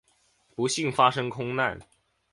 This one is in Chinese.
不幸发生空难。